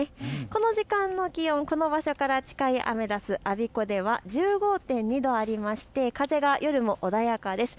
この時間の気温、この場所から近いアメダス我孫子では１５．２度ありまして風が夜も穏やかです。